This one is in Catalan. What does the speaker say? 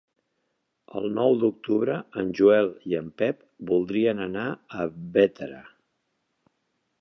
El nou d'octubre en Joel i en Pep voldrien anar a Bétera.